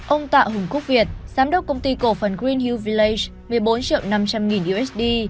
ông tạ hùng quốc việt giám đốc công ty cổ phần green huvillace một mươi bốn triệu năm trăm linh nghìn usd